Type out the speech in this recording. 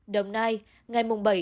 đồng nai ngày bảy